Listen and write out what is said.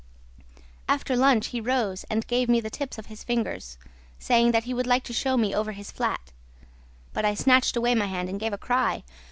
"After lunch, he rose and gave me the tips of his fingers, saying he would like to show me over his flat; but I snatched away my hand and gave a cry.